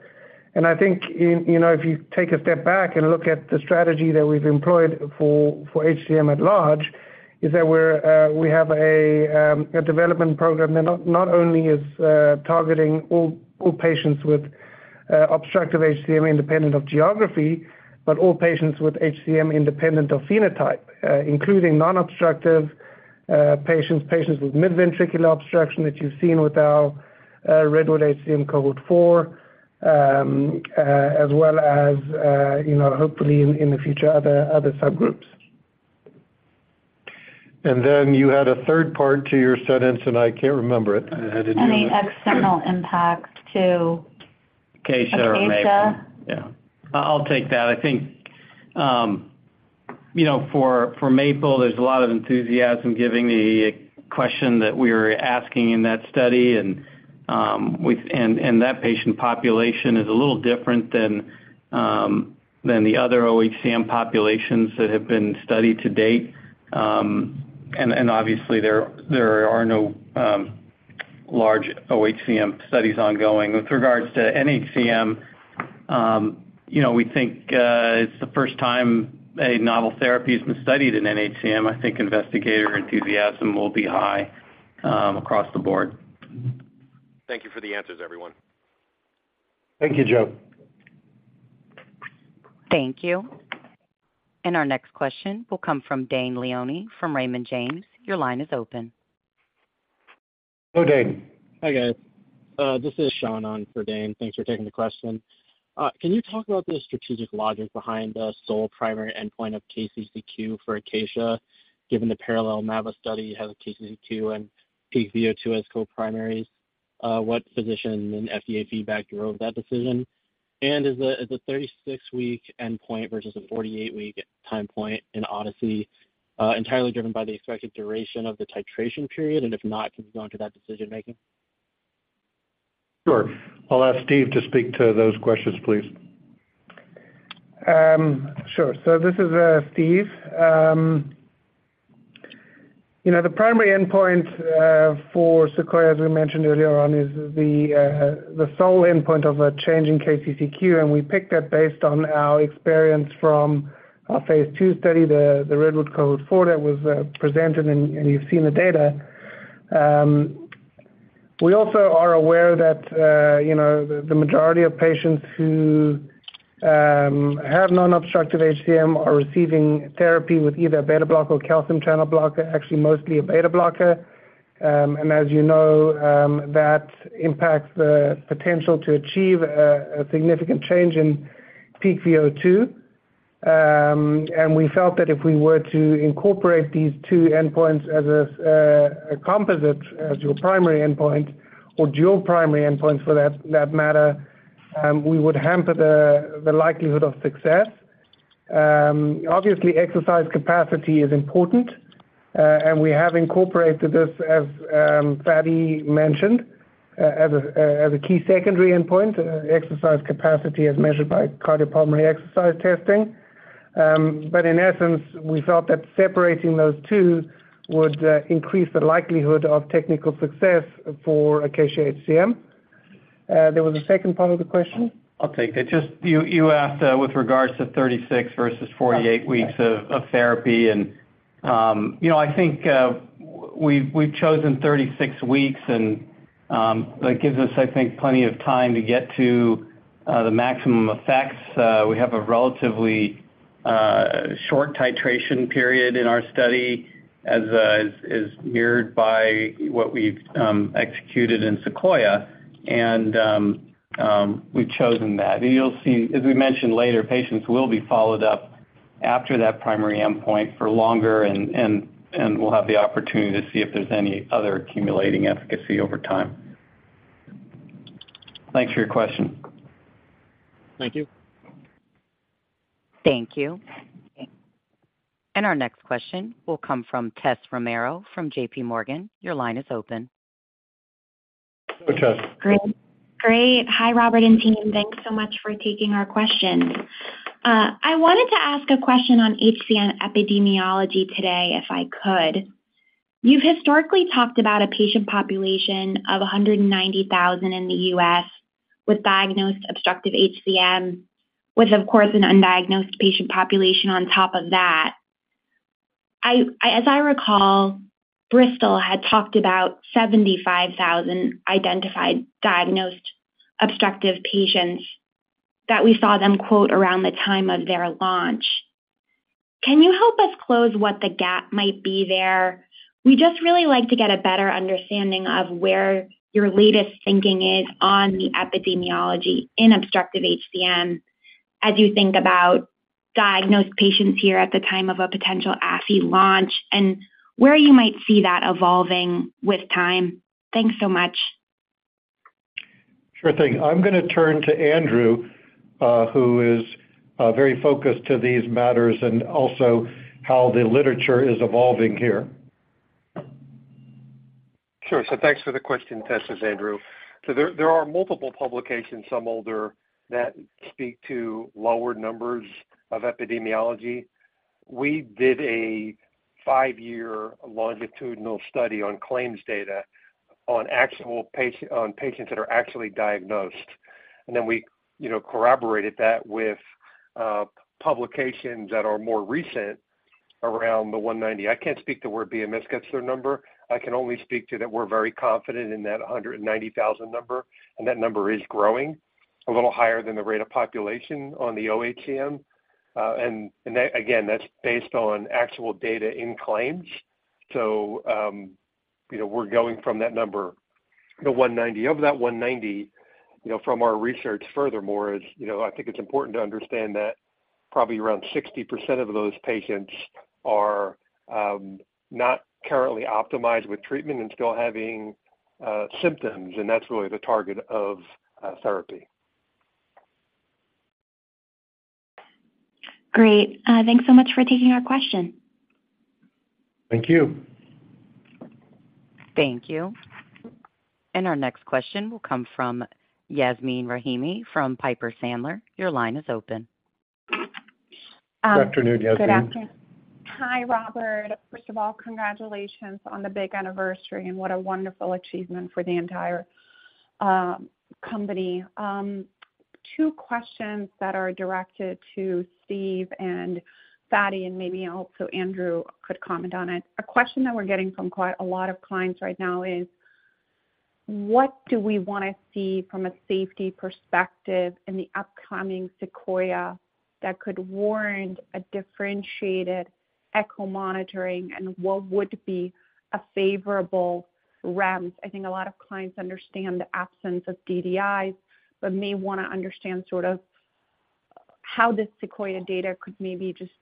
I think in, you know, if you take a step back and look at the strategy that we've employed for HCM at large, is that we have a development program that not only is targeting all patients with obstructive HCM, independent of geography, but all patients with HCM independent of phenotype, including non-obstructive patients, patients with mid-ventricular obstruction that you've seen with our REDWOOD-HCM Cohort 4, as well as, you know, hopefully in the future, other subgroups. Then you had a third part to your sentence, and I can't remember it. Any external impact. Acacia or Maple. Acacia. Yeah. I'll take that. I think, you know, for, for MAPLE-HCM, there's a lot of enthusiasm, giving the question that we're asking in that study. that patient population is a little different than, than the other OHCM populations that have been studied to date. obviously, there, there are no, large OHCM studies ongoing. With regards to NHCM, you know, we think, it's the first time a novel therapy has been studied in NHCM. I think investigator enthusiasm will be high, across the board. Thank you for the answers, everyone. Thank you, Joe. Thank you. Our next question will come from Dane Leone from Raymond James. Your line is open. Go, Dane. Hi, guys. This is Sean on for Dane. Thanks for taking the question. Can you talk about the strategic logic behind the sole primary endpoint of KCCQ for Acacia, given the parallel MAVA study has a KCCQ and peak VO2 as co-primaries? What physician and FDA feedback drove that decision? Is the 36-week endpoint versus a 48-week time point in ODYSSEY-HCM entirely driven by the expected duration of the titration period? If not, can you go into that decision-making? Sure. I'll ask Steve to speak to those questions, please. Sure. This is Steve. You know, the primary endpoint for SEQUOIA-HCM, as we mentioned earlier on, is the sole endpoint of a change in KCCQ, and we picked that based on our experience from our phase II study, the REDWOOD-HCM Cohort four, that was presented, and you've seen the data. We also are aware that, you know, the majority of patients who have non-obstructive HCM are receiving therapy with either a beta blocker or calcium channel blocker, actually mostly a beta blocker. As you know, that impacts the potential to achieve a significant change in peak VO2. We felt that if we were to incorporate these two endpoints as a, a composite, as your primary endpoint or dual primary endpoints for that, that matter, we would hamper the, the likelihood of success. Obviously, exercise capacity is important, we have incorporated this, as Patty mentioned, as a, as a key secondary endpoint, exercise capacity as measured by cardiopulmonary exercise testing. In essence, we felt that separating those two would increase the likelihood of technical success for ACACIA-HCM. There was a second part of the question? I'll take it. Just you, you asked, with regards to 36 versus 48- Yes... weeks of, of therapy. You know, I think we've chosen 36 weeks, and that gives us, I think, plenty of time to get to the maximum effects. We have a relatively short titration period in our study, as is mirrored by what we've executed in SEQUOIA. We've chosen that. You'll see, as we mentioned later, patients will be followed up after that primary endpoint for longer, and we'll have the opportunity to see if there's any other accumulating efficacy over time. Thanks for your question. Thank you. Thank you. Our next question will come from Tess Romero from JPMorgan. Your line is open. Go, Tess. Great. Great. Hi, Robert and team. Thanks so much for taking our question. I wanted to ask a question on HCM epidemiology today, if I could. You've historically talked about a patient population of 190,000 in the U.S. with diagnosed obstructive HCM, with, of course, an undiagnosed patient population on top of that. As I recall, Bristol had talked about 75,000 identified, diagnosed obstructive patients that we saw them quote around the time of their launch. Can you help us close what the gap might be there? We'd just really like to get a better understanding of where your latest thinking is on the epidemiology in obstructive HCM as you think about diagnosed patients here at the time of a potential aficamten launch, and where you might see that evolving with time. Thanks so much. Sure thing. I'm gonna turn to Andrew, who is very focused to these matters and also how the literature is evolving here. Sure. Thanks for the question, Tess. It's Andrew. There, there are multiple publications, some older, that speak to lower numbers of epidemiology. We did a five-year longitudinal study on claims data on actual patients that are actually diagnosed, and then we, you know, corroborated that with publications that are more recent around the 190. I can't speak to where BMS gets their number. I can only speak to that we're very confident in that 190,000 number, and that number is growing a little higher than the rate of population on the OHCM. ... and that, again, that's based on actual data in claims. You know, we're going from that number to 190. Of that 190, you know, from our research furthermore, is, you know, I think it's important to understand that probably around 60% of those patients are not currently optimized with treatment and still having symptoms. That's really the target of therapy. Great. Thanks so much for taking our question. Thank you. Thank you. Our next question will come from Yasmeen Rahimi from Piper Sandler. Your line is open. Good afternoon, Yasmeen. Good afternoon. Hi, Robert. First of all, congratulations on the big anniversary, and what a wonderful achievement for the entire company. Two questions that are directed to Steve and Fady, and maybe also Andrew could comment on it. A question that we're getting from quite a lot of clients right now is: What do we wanna see from a safety perspective in the upcoming SEQUOIA that could warrant a differentiated echo monitoring, and what would be a favorable REMS? I think a lot of clients understand the absence of DDIs, but may wanna understand sort of how the SEQUOIA data could maybe just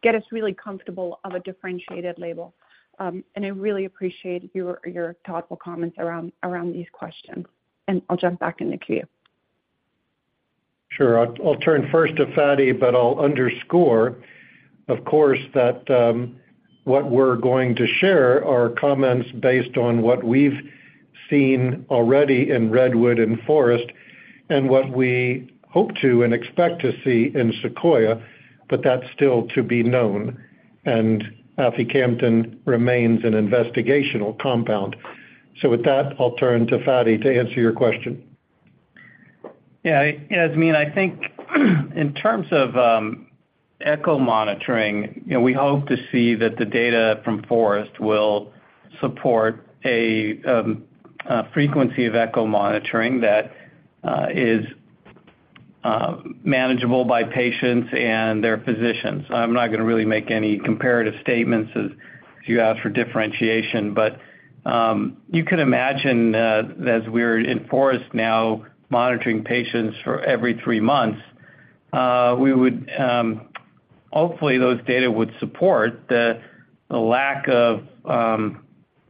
get us really comfortable of a differentiated label. I really appreciate your thoughtful comments around these questions. I'll jump back in the queue. Sure. I- I'll turn first to Fady, but I'll underscore, of course, that, what we're going to share are comments based on what we've seen already in REDWOOD and FOREST, and what we hope to and expect to see in SEQUOIA, but that's still to be known. Aficamten remains an investigational compound. With that, I'll turn to Fady to answer your question. Yeah, Yasmeen, I think in terms of echo monitoring, you know, we hope to see that the data from FOREST will support a frequency of echo monitoring that is manageable by patients and their physicians. I'm not gonna really make any comparative statements, as you asked for differentiation. You can imagine, as we're in FOREST now, monitoring patients for every three months, we would... Hopefully, those data would support the lack of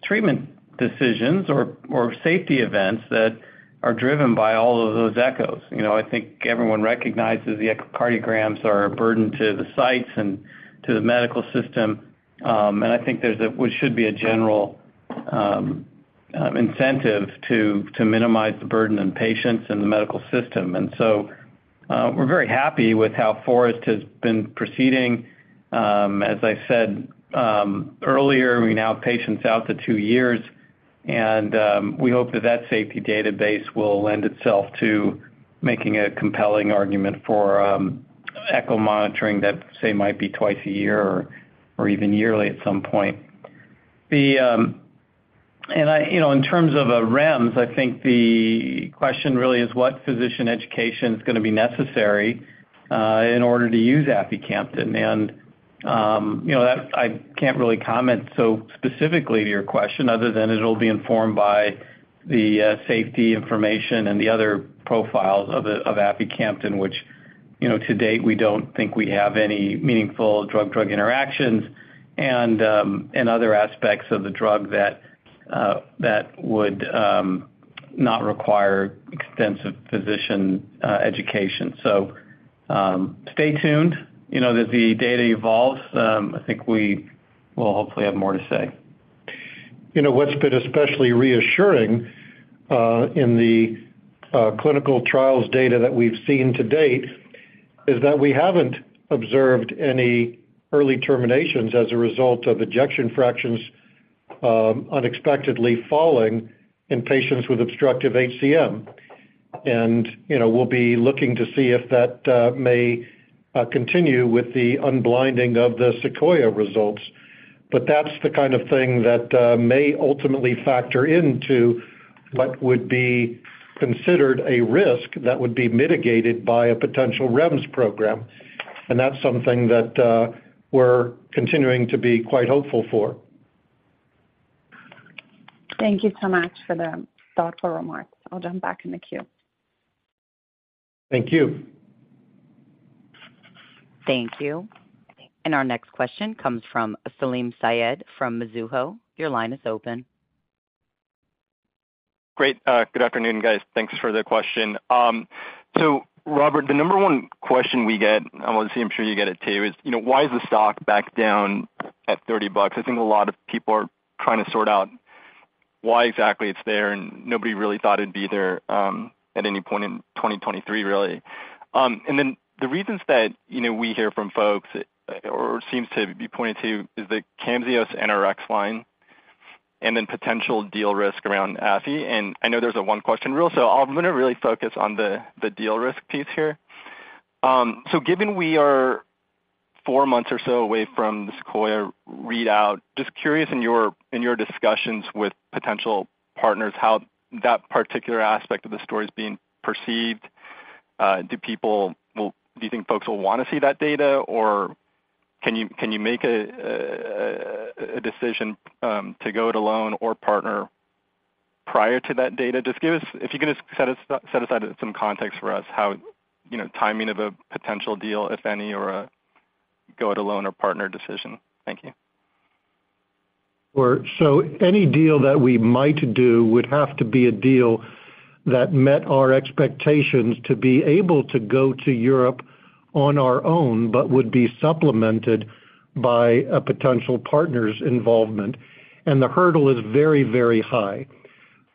treatment decisions or safety events that are driven by all of those echoes. You know, I think everyone recognizes the echocardiograms are a burden to the sites and to the medical system, and I think there's a, what should be a general incentive to minimize the burden on patients and the medical system. We're very happy with how FOREST has been proceeding. As I said, earlier, we now have patients out to two years, and, we hope that that safety database will lend itself to making a compelling argument for, echo monitoring that, say, might be twice a year or even yearly at some point. I, you know, in terms of a REMS, I think the question really is what physician education is gonna be necessary in order to use aficamten. You know, that I can't really comment so specifically to your question other than it'll be informed by the safety information and the other profiles of aficamten, which, you know, to date, we don't think we have any meaningful drug-drug interactions and other aspects of the drug that would not require extensive physician education. Stay tuned. You know, as the data evolves, I think we will hopefully have more to say. You know, what's been especially reassuring in the clinical trials data that we've seen to date is that we haven't observed any early terminations as a result of ejection fractions unexpectedly falling in patients with obstructive HCM. You know, we'll be looking to see if that may continue with the unblinding of the SEQUOIA results. That's the kind of thing that may ultimately factor into what would be considered a risk that would be mitigated by a potential REMS program, and that's something that we're continuing to be quite hopeful for. Thank you so much for the thoughtful remarks. I'll jump back in the queue. Thank you. Thank you. Our next question comes from Salim Syed from Mizuho. Your line is open. Great. Good afternoon, guys. Thanks for the question. Robert, the number one question we get, and obviously I'm sure you get it too, is, you know, why is the stock back down at $30? I think a lot of people are trying to sort out why exactly it's there, and nobody really thought it'd be there, at any point in 2023, really. The reasons that, you know, we hear from folks, or seems to be pointed to, is the Camzyos NRx line and then potential deal risk around afi. I know there's a one-question rule, so I'm gonna really focus on the, the deal risk piece here. Given we are four months or so away from the Sequoia readout. Just curious, in your, in your discussions with potential partners, how that particular aspect of the story is being perceived. Well, do you think folks will want to see that data? Or can you, can you make a, a decision, to go it alone or partner prior to that data? Just give us... If you could just set us, set aside some context for us, how, you know, timing of a potential deal, if any, or, go it alone or partner decision. Thank you. Well, any deal that we might do would have to be a deal that met our expectations to be able to go to Europe on our own, but would be supplemented by a potential partner's involvement. The hurdle is very, very high.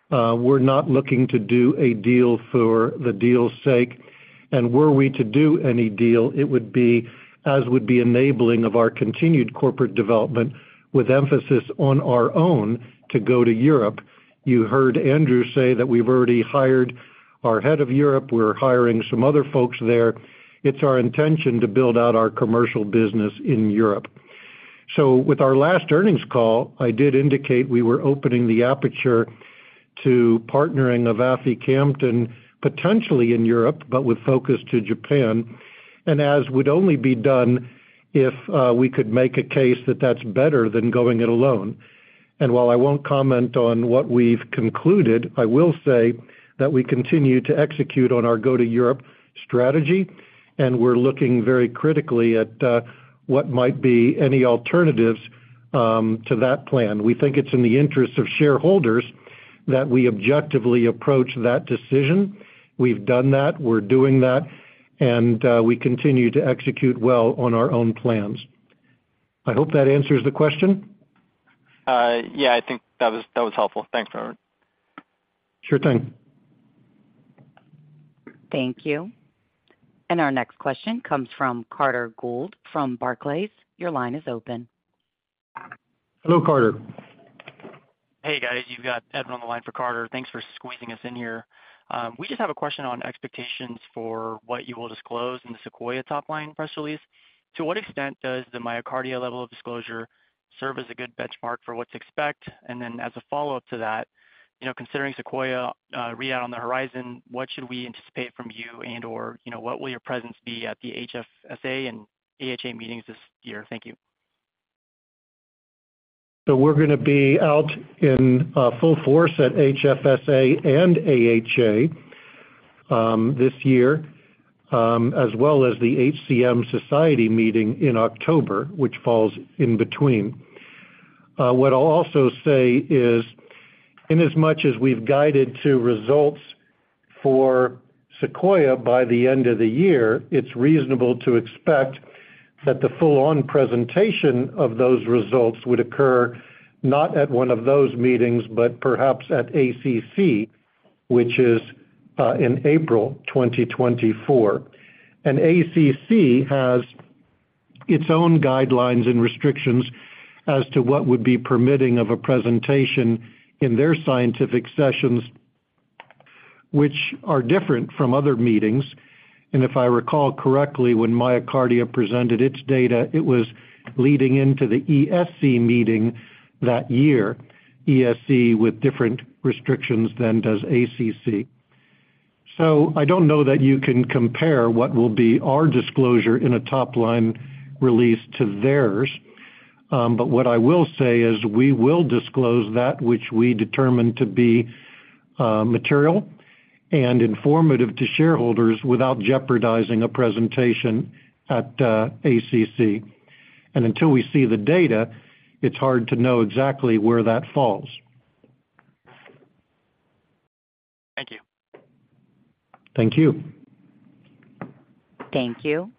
We're not looking to do a deal for the deal's sake, and were we to do any deal, it would be as would be enabling of our continued corporate development, with emphasis on our own to go to Europe. You heard Andrew say that we've already hired our head of Europe. We're hiring some other folks there. It's our intention to build out our commercial business in Europe. With our last earnings call, I did indicate we were opening the aperture to partnering of aficamten, potentially in Europe, but with focus to Japan, and as would only be done if we could make a case that that's better than going it alone. While I won't comment on what we've concluded, I will say that we continue to execute on our go-to-Europe strategy, and we're looking very critically at what might be any alternatives to that plan. We think it's in the interest of shareholders that we objectively approach that decision. We've done that, we're doing that, and we continue to execute well on our own plans. I hope that answers the question. Yeah, I think that was, that was helpful. Thanks, Robert. Sure thing. Thank you. Our next question comes from Carter Gould from Barclays. Your line is open. Hello, Carter. Hey, guys, you've got Evan on the line for Carter. Thanks for squeezing us in here. We just have a question on expectations for what you will disclose in the SEQUOIA top line press release. To what extent does the MyoKardia level of disclosure serve as a good benchmark for what to expect? as a follow-up to that, you know, considering SEQUOIA readout on the horizon, what should we anticipate from you and/or, you know, what will your presence be at the HFSA and AHA meetings this year? Thank you. We're gonna be out in full force at HFSA and AHA this year, as well as the HCM Society meeting in October, which falls in between. What I'll also say is, in as much as we've guided to results for SEQUOIA by the end of the year, it's reasonable to expect that the full-on presentation of those results would occur not at one of those meetings, but perhaps at ACC, which is in April 2024. ACC has its own guidelines and restrictions as to what would be permitting of a presentation in their scientific sessions, which are different from other meetings. If I recall correctly, when MyoKardia presented its data, it was leading into the ESC meeting that year, ESC with different restrictions than does ACC. I don't know that you can compare what will be our disclosure in a top-line release to theirs, but what I will say is we will disclose that which we determine to be material and informative to shareholders without jeopardizing a presentation at ACC. Until we see the data, it's hard to know exactly where that falls. Thank you. Thank you. Thank you.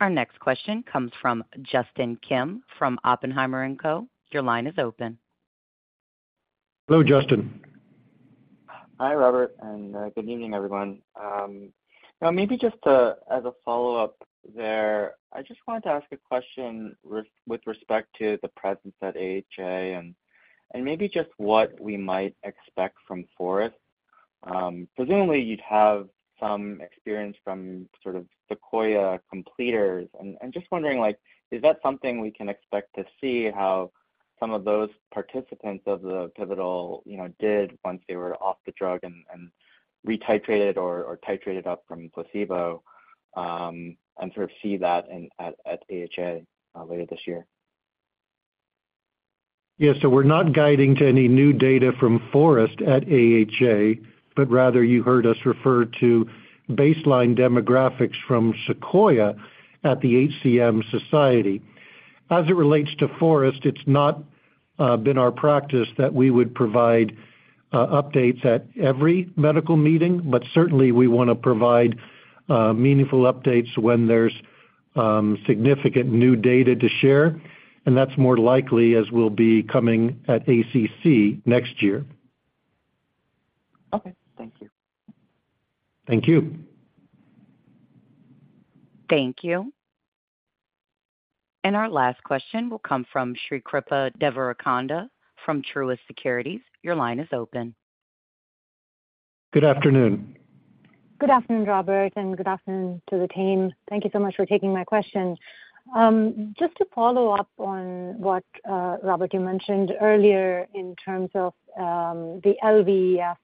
Our next question comes from Justin Kim from Oppenheimer & Co. Your line is open. Hello, Justin. Hi, Robert, and good evening, everyone. Now, maybe just as a follow-up there, I just wanted to ask a question with respect to the presence at AHA and maybe just what we might expect from Forest. Presumably, you'd have some experience from sort of Sequoia completers. Just wondering, like, is that something we can expect to see how some of those participants of the pivotal, you know, did once they were off the drug and re-titrated or titrated up from placebo, and sort of see that in... at AHA later this year? Yes. We're not guiding to any new data from FOREST-HCM at AHA, but rather you heard us refer to baseline demographics from SEQUOIA-HCM at the HCM Society Scientific Sessions. As it relates to FOREST-HCM, it's not been our practice that we would provide updates at every medical meeting, but certainly we wanna provide meaningful updates when there's significant new data to share, and that's more likely as we'll be coming at American College of Cardiology next year. Okay. Thank you. Thank you. Thank you. Our last question will come from Srikripa Devarakonda from Truist Securities. Your line is open. Good afternoon. Good afternoon, Robert, and good afternoon to the team. Thank you so much for taking my question. Just to follow up on what, Robert, you mentioned earlier in terms of the LVEF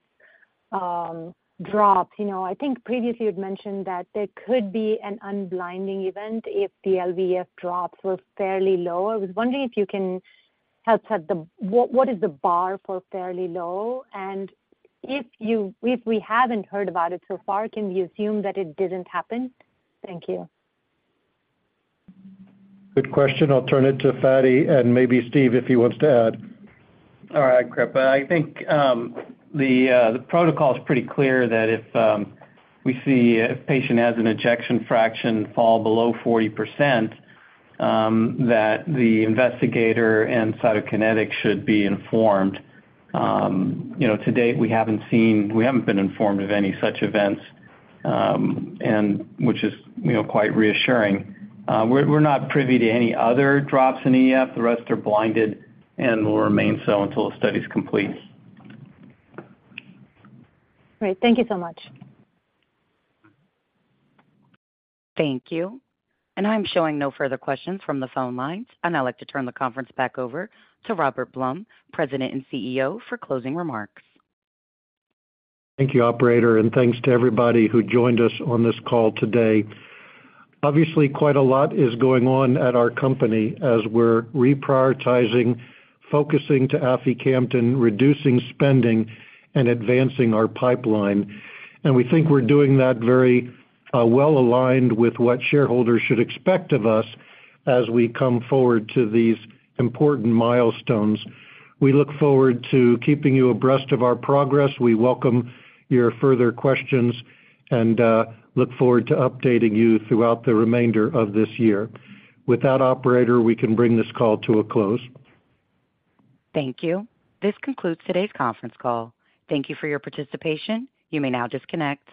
drops. You know, I think previously you'd mentioned that there could be an unblinding event if the LVEF drops were fairly low. I was wondering if you can help set the... What, what is the bar for fairly low? If you, if we haven't heard about it so far, can we assume that it didn't happen? Thank you. Good question. I'll turn it to Fady and maybe Steve, if he wants to add. All right, great. I think the protocol is pretty clear that if we see a patient has an ejection fraction fall below 40%, that the investigator and Cytokinetics should be informed. You know, to date, we haven't seen... We haven't been informed of any such events, and which is, you know, quite reassuring. We're, we're not privy to any other drops in EF. The rest are blinded and will remain so until the study's complete. Great. Thank you so much. Thank you. I'm showing no further questions from the phone lines. I'd like to turn the conference back over to Robert Blum, President and CEO, for closing remarks. Thank you, operator, and thanks to everybody who joined us on this call today. Obviously, quite a lot is going on at our company as we're reprioritizing, focusing to aficamten, reducing spending, and advancing our pipeline. We think we're doing that very well aligned with what shareholders should expect of us as we come forward to these important milestones. We look forward to keeping you abreast of our progress. We welcome your further questions and look forward to updating you throughout the remainder of this year. With that, operator, we can bring this call to a close. Thank you. This concludes today's conference call. Thank you for your participation. You may now disconnect.